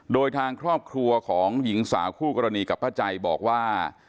โดยทางครอบครัวของหญิงสาวคู่กรณีกับป้าใจบอกว่า